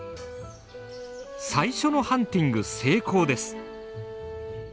最初のハンティング成功です。